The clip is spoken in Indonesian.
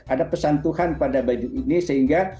ada pesan tuhan pada baju ini sehingga